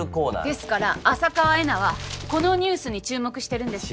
ですから浅川恵那はこのニュースに注目してるんです。